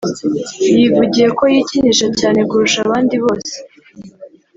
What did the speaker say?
yivugiye ko yikinisha cyane kurusha abandi bose